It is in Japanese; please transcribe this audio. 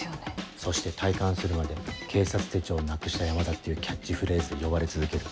そして退官するまで「警察手帳なくした山田」っていうキャッチフレーズで呼ばれ続ける。